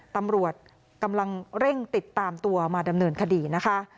ตำรวจกำลังเร่งติดตามตัวมาดำเนินคดีนะคะ